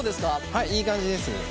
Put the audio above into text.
はいいい感じです。